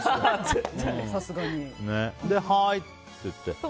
はーい！って言って。